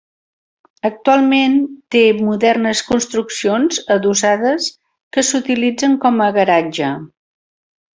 Actualment, té modernes construccions adossades que s'utilitzen com a garatge.